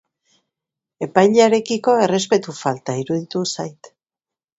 Epailearekiko errespetu falta iruditu zait.